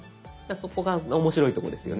そこが面白いとこですよね。